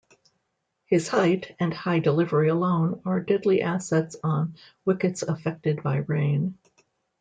His height and high delivery alone are deadly assets on wickets affected by rain.